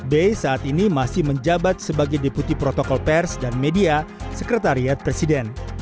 b saat ini masih menjabat sebagai deputi protokol pers dan media sekretariat presiden